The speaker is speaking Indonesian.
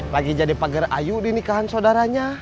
lagi jadi pagar ayu di nikahan saudaranya